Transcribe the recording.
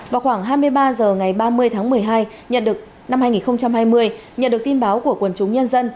vào khoảng hai mươi ba h ngày ba mươi tháng một mươi hai nhận được năm hai nghìn hai mươi nhận được tin báo của quần chúng nhân dân